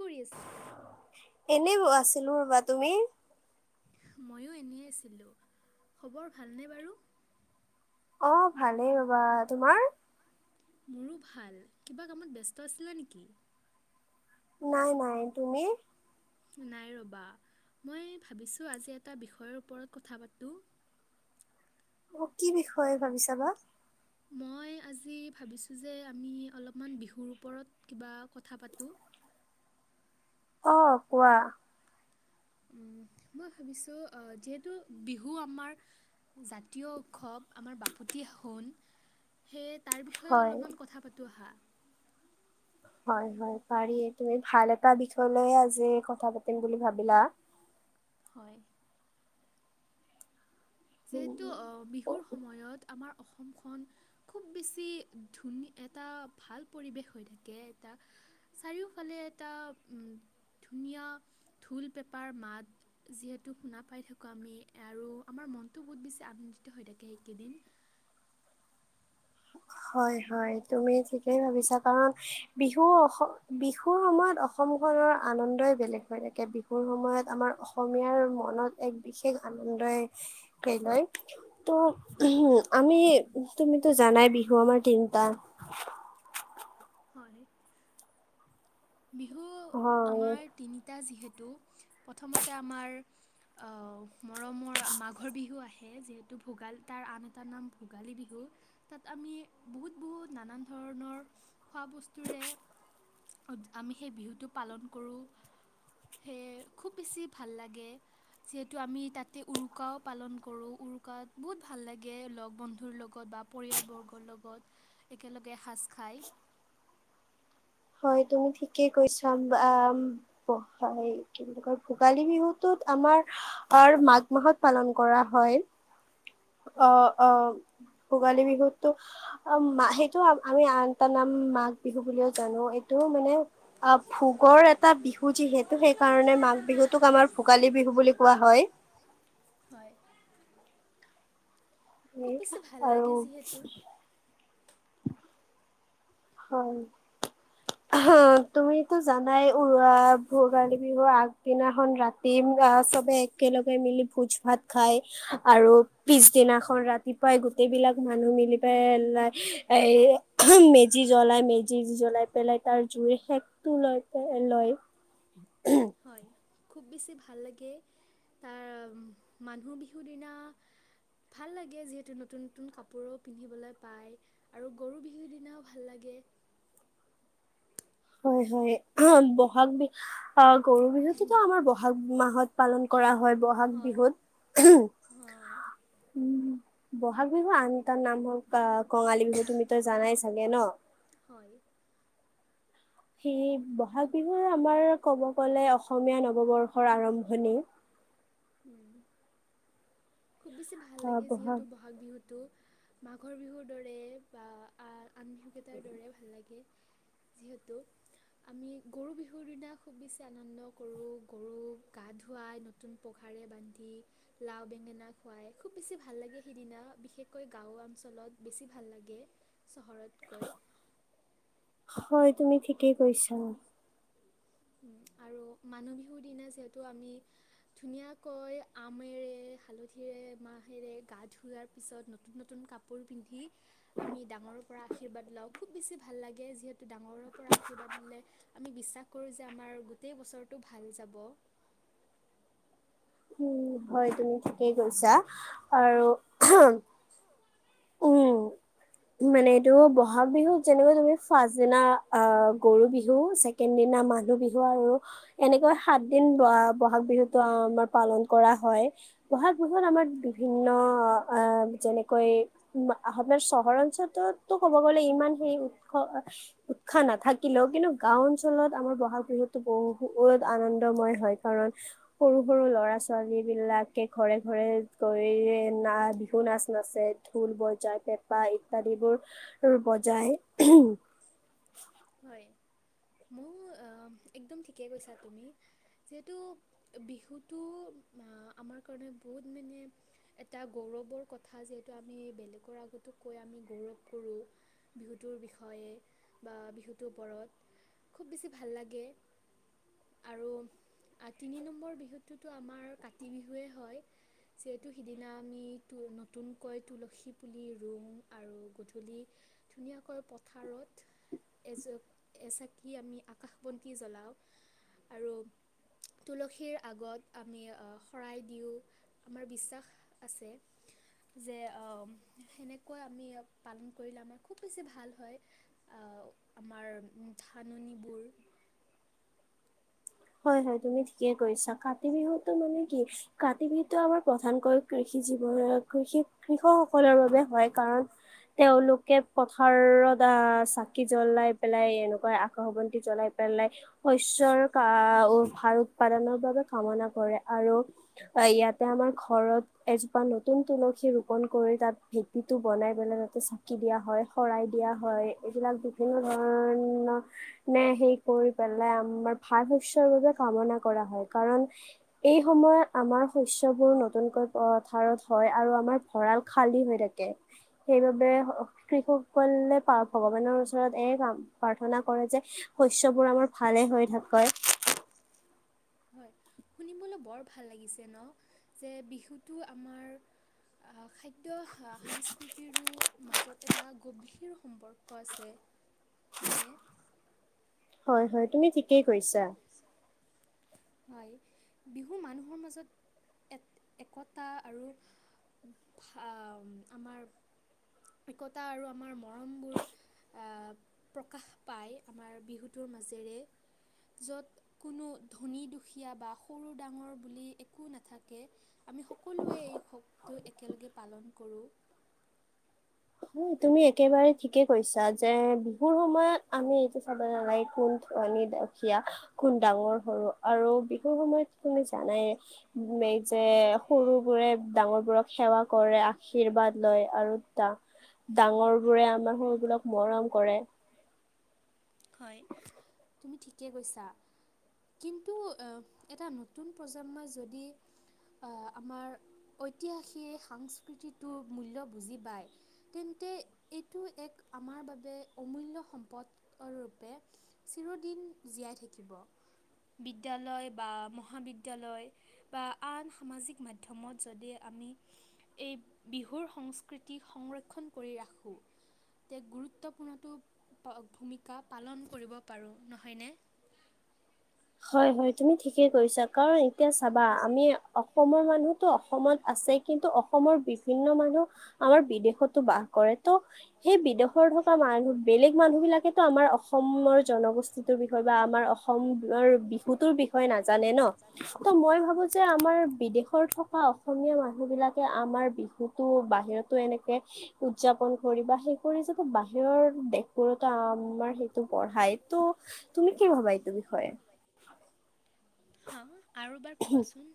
কৰি আছা। এনেই আছিলো ৰ'বা। তুমি? ময়ো এনেই আছিলোঁ, খবৰ ভালনে বাৰু। অ' ভালেই ৰবা, তোমাৰ। মোৰো ভাল, কিবা কামত ব্যস্ত আছিলা নেকি? নাই নাই তুমি। নাই ৰবা, মই ভাবিছো! আজি এটা বিষয়ৰ ওপৰত কথা পাতো। অ'কি বিষয়, ভাবিছা বা। মই আজি ভাবিছোঁ যে, আমি অলপমান বিহুৰ ওপৰত কিবা কথা পাতোঁ। অ কোৱা। মই ভাবিছোঁ, যিহেতু বিহু আমাৰ জাতীয় উৎসৱ। আমাৰ বাপতি সাহোন সেই। তাৰ বিষয়ে হয় অলপমান কথা পাতোঁ আহা। হয় হয়, পাৰি তুমি ভাল এটা বিষয় লৈ আজি কথা পাতিম বুলি ভাবিলা। হয়। উম, যিহেতু, উম। অ বিহুৰ সময়ত আমাৰ অসমখন খুব বেছি ধুন এটা ভাল পৰিৱেশ হৈ অসম খন খুব বেছি ভাল পৰিৱেশ হৈ থাকে। এটা চাৰিওফালে এটা ধুনীয়া ঢোল-পেপাৰ মাত যিহেতু, শুনা পাই থাকোঁ আমি আৰু আমাৰ মন টো বহুত বেছি আনন্দিত হৈ থাকে, এইকেইদিন। হয় হয়, তুমি ঠিকেই ভাবিছা কাৰণ - বিহুৰ সময়ত অসম খনৰ আনন্দই বেলেগ হৈ থাকে। বিহুৰ সময়ত আমাৰ অসমীয়াৰ মনত এক বিশেষ আনন্দই লয় ত উ'ম আমি তুমিতো জানাই বিহু আমাৰ তিনটা। হয়। বিহু হয় আমাৰ তিনিটা যিহেতু প্ৰথমতে আমাৰ আহ মৰমৰ মাঘৰ বিহু আহে। যিহেতু ভোগালী তাৰ আন এটা নাম ভোগালী। বিহু তাত আমি বহুত বহুত নানান ধৰণৰ খোৱা বস্তুৰে আমি সেই বিহুটো পালন কৰোঁ। সেয়ে খুব বেছি ভাল লাগে যিহেতু আমি তাতে উৰুকাও পালন কৰোঁ উৰুকাত বহুত ভাল লাগে লগ বন্ধুৰ লগত বা পৰিয়ালবৰ্গৰ লগত একেলগে এসাজ খাই। হয় তুমি ঠিকেই কৈছা হয়, কি বুলি কয় ভোগালী বিহুতত আমাৰ মাঘ মাহত পালন কৰা হয়। হয় অ' অ' ভোগালী বিহুতো আমি আন এটা নাম মাঘ বিহু বুলিওঁ জানো। এইটো মানে ভোগৰ এটা বিহু যিহেতু সেইকাৰণে মাঘ বিহুতোক আমাৰ ভোগালী বিহু বুলি কোৱা হয়। হয়। খুব সেই বেছি ভাল আৰু লাগে যিহেতু হয়, তুমিতো জানাই উ ভোগালী বিহুৰ আগদিনাখন ৰাতি আহ চবে একেলগে মিলি ভোজ ভাত খাই আৰু পিছদিনাখন ৰাতিপুৱাই গোটেই বিলাক মানুহ মিলি পাই এ যি জ্বলাই মেজি জ্বলাই পেলাই তাৰ জুইৰ শেকটো লয়, লয়। হয় খুব বেছি ভাল লাগে তাৰ মানুহ বিহুৰ দিনা ভাল লাগে। যিহেতু নতুন নতুন কাপোৰো পিন্ধিবলৈ পায় আৰু গৰু বিহুৰ দিনাও ভাল লাগে। হয়, হয় বহাগ বিহু- অ' গৰু বিহুতোতো আমাৰ বহাগ বিহু মাহত পালন কৰা হয়। বহাগ হয় বিহুত অ' উ'ম বহাগ বিহু আন তাৰ নাম হ'ল কঙালী বিহু তুমিতো জানাই চাগে ন। হয়। সেয়ে বহাগ খুব বিহু আমাৰ ক'ব গ'লে অসমীয়া নৱবৰ্ষৰ আৰম্ভণি। উ'ম। খুব বেছি ভাল লাগে। যিহেতু বহাগ বিহুত টো মাঘৰ বিহুৰ দৰে বা আন বিহুকেইটাৰ দৰে ভাল লাগে। যিহেতু আমি গৰু বিহুৰ দিনা খুব বেছি আনন্দ কৰোঁ গৰুক গা ধুৱাই নতুন পঘাৰে বান্ধি লাও বেঙেনা খুৱাই খুব বেছি ভাল লাগে, সিদিনা বিশেষকৈ গাঁও অঞ্চলত বেছি ভাল লাগে চহৰতকৈ। হয় তুমি ঠিকেই কৈছা। আৰু মানুহ বিহুৰ দিনা যিহেতু আমি ধুনীয়াকৈ আমেৰে হালধিৰে মাহেৰে গা ধোঁৱাৰ পিছত নতুন নতুন কাপোৰ পিন্ধি আমি ডাঙৰৰ পৰা আশীৰ্বাদ লাওঁ খুব বেছি ভাল লাগে। যিহেতু ডাঙৰৰ পৰা আশীৰ্বাদ ললে আমি বিশ্বাস কৰো যে আমাৰ গোটেই বছৰটো ভাল যাব। উ'ম হয় তুমি ঠিকেই কৈছা আৰু উ'ম মানে এইটো বহাগ বিহুত যেনেকৈ তুমি ফাৰ্ষ্ট দিনা আহ গৰু বিহু ছেকেণ্ড দিনা মানুহ বিহু আৰু এনেকৈ সাত দিন বহাগ বিহুতটো আমাৰ পালন কৰা হয়। বহাগ বিহুত আমাৰ বিভিন্ন যেনেকৈ আপোনাৰ চহৰ অঞ্চলতো ক'ব গলে ইমান সেই উৎস উৎসাহ নাথাকিলেও, কিন্তু গাও অঞ্চলত আমাৰ বহাগ বিহুতটো বহুত আনন্দময় হয় কাৰণ- সৰু সৰু ল'ৰা ছ ছোৱালীবিলাকে ঘৰে ঘৰে গৈ না বিহু নাচ নাচে। ঢোল বজাই পেঁপা ইত্যাদিবোৰ বজ যায়। হয় ময়ো একদম ঠিকেই কৈছা তুমি যিহেতু বিহুটো আমাৰ কাৰণে বহুত মানে এটা গৌৰৱৰ কথা যিহেতু আমি বেলেগৰ আগতো কৈ আমি গৌৰৱ কৰোঁ, বিহুটোৰ বিষয়ে বা বিহুটোৰ ওপৰত খুব বেছি ভাল লাগে, আৰু তিনি নম্বৰ বিহুটোতো আমাৰ কাতি বিহুৱেই হয়, যিহেতু সিদিনা আমি নতুনকৈ তুলসী পুলি ৰুও আৰু গধূলি ধুনীয়াকৈ পথাৰত এজ এচাকি আমি আকাশ বন্তি জ্বলাওঁ আৰু তুলসীৰ আগত আমি শৰাই দিওঁ আমাৰ বিশ্বাস আছে যে সেনেকুৱা আমি পালন কৰিলে আমাৰ খুব বেছি ভাল হয় আহ আমাৰ ধাননিবোৰ। হয় হয় তুমি ঠিকে কৈছা কাতি বিহুতো মানে কি কাতি বিহুতটো আমাৰ প্ৰধানকৈ কৃষি জীৱন কৃষি কৃষক সকলৰ বাবে হয় কাৰণ তেওঁলোকে পথাৰত আহ চাকি জ্বলাই পেলাই এনেকুৱা আকাশ বন্তি জ্বলাই পেলাই শস্যৰ আহ ভাৰ উৎপাদনৰ বাবে কামনা কৰে আৰু ইয়াতে আমাৰ ঘৰত এজোপা নতুন তুলসী ৰোপন কৰি তাত ভেকিটো বনাই পেলাই তাতে চাকি দিয়া হয় শৰাই দিয়া হয় এইবিলাক বিভিন্ন ধৰণৰ নে সেই কৰি পেলাই ভাল শস্য বাবে কামনা কৰা হয়, কাৰণ এই সময়ত আমাৰ শস্যবোৰ নতুনকৈথাৰত হয় আৰু আমাৰ ভঁৰাল খালী হৈ থাকে। সেইবাবে কৃষকসকলে ভগৱানৰ ওচৰত এ কাম প্ৰাৰ্থনা কৰে যে শস্যবোৰ আমাৰ ভালে হৈ থাক হয়। হয় শুনিবলৈ বৰ ভাল লাগিছে ন যে বিহুটো আমাৰ খাদ্য সংস্কৃতিৰো মাজত এটা গভীৰ সম্পৰ্ক আছে। হয়নে? হয় হয় তুমি থিকেই কৈছা হয় বিহু মানুহৰ মাজত এক একতা আৰু আমাৰ একতা আৰু আমাৰ মৰমবোৰ প্ৰকাশ পায় আমাৰ বিহুটোৰ মাজেৰে, য'ত কোনো ধনী দুখীয়া বা সৰু ডাঙৰ বুলি একো নাথাকে আমি সকলোৱে এই উৎসৱটো একেলগে পালন কৰোঁ। তুমি একেবাৰে ঠিকে কৈছা যে বিহুৰ সময়ত আমি এইটো চাব নালাগে কোন ধুনী-দুখীয়া কোন ডাঙৰ সৰু আৰু বিহুৰ সময়ত তুমি জানাই যে সৰু বোৰে ডাঙৰ বোৰক সেৱা কৰে আশীৰ্বাদ লয় আৰু ডাঙৰবোৰে আমাৰ সৰুবোৰক মৰম কৰে, হয় তুমি ঠিকে কৈছা কিন্তু এটা নতুন প্ৰজন্মই যদি আহ আমাৰ ঐতিহাসিক সংস্কৃতিটোৰ মূল্য বুজি পায় তেন্তে এইটো এক আমাৰ বাবে অমুল্য সম্পদ অ ৰূপে চিৰদিন জীয়াই থাকিব বিদ্যালয় বা মহাবিদ্যালয় বা আন সামাজিক মাধ্যমত যদি আমি এই বিহুৰ সংস্কৃতি সংৰক্ষণ কৰি ৰাখোঁ তে গুৰুত্বপূৰ্ণতটো ভূমা বা পালন কৰিব পাৰোঁ নহয়নে? হয় হয় তুমি ঠিকে কৰিছা কাৰণ এতিয়া চাবা আমি অ অসমৰ মানুহতো অসমত আছে কিন্তু অসমৰ বিভিন্ন মানুহ আমাৰ বিদেশতো বাস কৰে ত' সেই বিদেশৰ থকা মানুহ বেলেগ মানুহ বিলাকেতো আমাৰ অসমৰ জনগোষ্ঠীটোৰ বিষয়ে বা আমাৰ অসম বিহুতৰ বিষয়ে নাজানে ন ত মই ভাবো যে আমাৰ বিদেশত থকা অসমীয়া মানুহ বিলাকে আমাৰ বিহু বাহিৰতো এনেকে উদযাপন কৰি বা সেই কৰি যো বাহিৰৰ দেশবোৰতম তমাৰ সেইটো পঢ়াই তো তুমি কি ভাবা এইটো বিষয়ে হা আৰু এবাৰ ক'বাচোন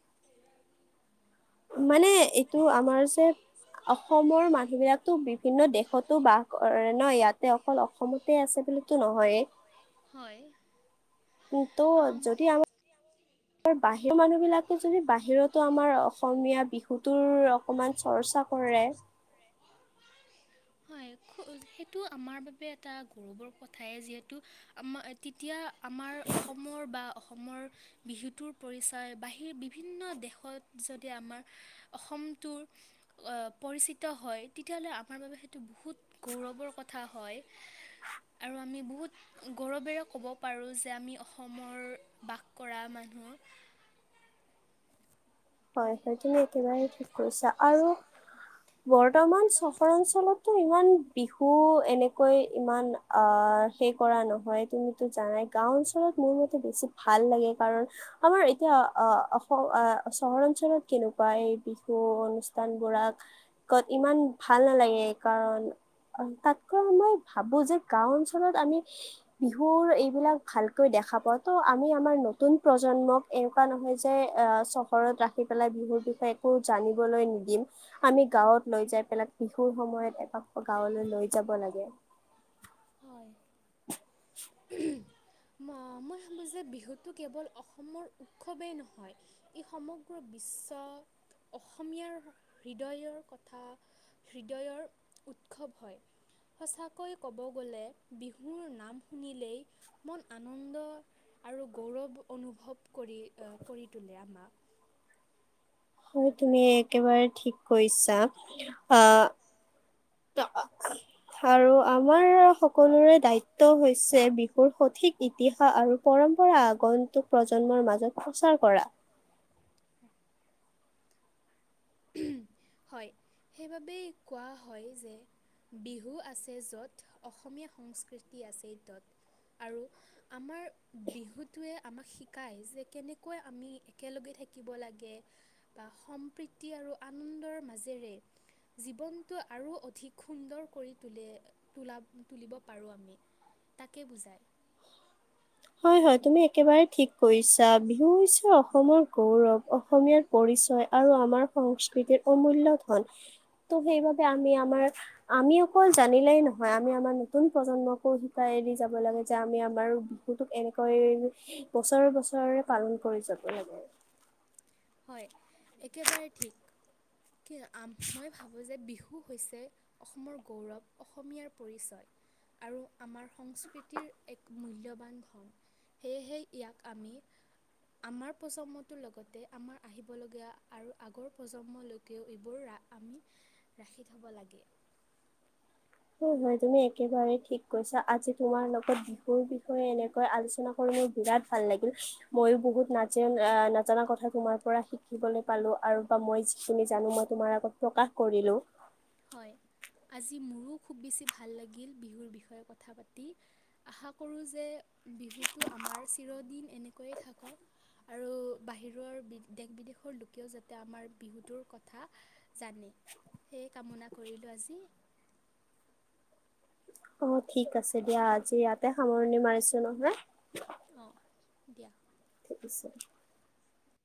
মানে এইটো আমাৰ যে অসমৰ মানুহ বিলাকো বিভিন্ন দেশতো বাস কৰে ন ইয়াতে অকল অসমতে আছে বিতো নহয়েই হয়। তো আম, যদি আমাৰ বাহিৰৰ মানুহ বিলাকে যদি বাহিৰতো আমাৰ অসমীয়া বিহুটোৰ অকমান চৰ্চা কৰে, হয় সেইটো আমাৰ বাবে এটা গৌৰৱৰ কথাই যিহেতু আমাৰ তেতিয়া আমাৰ অসমৰ বা অসমৰ বিহুটোৰ পৰিচয় বাহিৰ বিভিন্ন দেশত যদি আমাৰ অসমটোৰ অহ পৰিচিত হয় তেতিয়াহ'লে আমাৰ বাবে সেইটো বহুত গৌৰৱৰ কথা হয় আৰু আমি বহুত গৌৰৱেৰে ক'ব পাৰোঁ যে আমি অসমৰ বাস কৰা মানুহ, হয় হয় তুমি একেবাৰে ঠিক কৈছা আৰু বৰ্তমান চহৰ অঞ্চলতো ইমান বিহু এনেকৈ ইমান সেই কৰা নহয় তুমিতো জানাই গাঁও অঞ্চলত মোৰ মতে বেছি ভাল লাগে কাৰণ আমাৰ এতিয়া অসম চহৰ অঞ্চলত কেনেকুৱা এই বিহু অনুষ্ঠানবোৰাক ইমান ভাল নালাগে কাৰণ তাতকৈ মই ভাবো যে গাও অঞ্চলত আমি বিহুৰ এইবিলাক ভালকৈ দেখা পাওঁ ত আমি আমাৰ নতুন প্ৰজন্মক এনেকুৱা নহয় যে আহ চ ঘৰত ৰাখি পেলাই বিহুৰ বিষয়ে একো জানিবলৈ নিদিম আমি গাঁৱত লৈ যাই পেলাক বিহুৰ সময়ত এপাক গাঁৱলৈ লৈ যাব লাগে হয় [unintelligible] মই ভাবো যে বিহুতটো কেৱল অসমৰ উৎসৱেই নহয় ই সমগ্ৰ বিশ্ব অসমীয়াৰ হৃদয়ৰ কথা হৃদয়ৰ উৎসৱ হয় সচাকৈ কব গ'লে বিহুৰ নাম শুনিলেই মন আনন্দ আৰু গৌৰৱ অনুভৱ কৰি আ, কৰি‌ তোলে আমাক হয়, তুমি একেবাৰে ঠিক কৈছা আ, আ-আৰু আমাৰ সকলোৰে দায়িত্ব হৈছে বিহুৰ সঠিক ইতিহাস আৰু পৰম্পৰা আগন্তুক প্ৰজন্মৰ মাজত প্ৰচাৰ কৰা। হয়, সেইবাবেই কোৱা হয়, যে, বিহু আছে য'ত অসমীয়া সংস্কৃতি আছে ত'ত, আৰু আমাৰ বিহুটোৱে আমাক শিকায় যে, কেনেকৈ আমি একেলগে থাকিব লাগে বা সম্প্ৰীতি আৰু আনন্দৰ মাজেৰেই জীৱনটো আৰু অধিক সুন্দৰ কৰি তুলে। তোলা, তুলিব পাৰোঁ আমি। তাকে বুজাই হয়, হয়। তুমি একেবাৰে ঠিক কৈছা। বিহু হৈছে অসমৰ গৌৰৱ, অসমীয়াৰ পৰিচয় আৰু আমাৰ সংস্কৃতিৰ অমূল্য ধন। ত', সেইবাবে আমি আমাৰ, আমি অকল জানিলেই নহয়, আমি আমাৰ নতুন প্ৰজন্মকো শিকাই দি যাব লাগে যে আমি আমাৰো বিহুটোক এনেকৈয়ে বছৰে, বছৰে পালন কৰি যাব লাগে। হয়, একেবাৰে ঠিক। কি, মই ভাবোঁ যে বিহু হৈছে অসমৰ গৌৰৱ, অসমীয়াৰ পৰিচয় আৰু আমাৰ সংস্কৃতিৰ এক মূল্যৱান ধন। সেয়েহে ইয়াক আমি আমাৰ প্ৰজন্মটোৰ লগতে আমাৰ আহিবলগীয়া আৰু আগৰ প্ৰজন্মলৈকেও, এইবোৰ আমি ৰাখি থ'ব লাগে। হয়, হয়। তুমি একেবাৰে ঠিক কৈছা। আজি তোমাৰ লগত বিহুৰ বিষয়ে এনেকৈ আলোচনা কৰি মোৰ বিৰাট ভাল লাগিল। মই বহুত নাজা, আ, নাজানা কথা তোমাৰ পৰা শিকিবলৈ পালোঁ। আৰু বা, মই যিখিনি জানোঁ, মই তোমাৰ আগত প্ৰকাশ কৰিলোঁ হয়, আজি মোৰো খুব বেছি ভাল লাগিল বিহুৰ বিষয়ে কথা পাতি। আশা কৰোঁ যে বিহুটো আমাৰ চিৰদিন এনেকৈয়ে থাকক, আৰু বাহিৰৰ দেশ-বিদেশৰ লোকেও যাতে আমাৰ বিহুটোৰ কথা জানে। সেয়ে কামনা কৰিলোঁ। আজি অ', ঠিক আছে দিয়া। আজি ইয়াতে সামৰণি মাৰিছোঁ নহয়। অ', দিয়া। ঠিক আছে।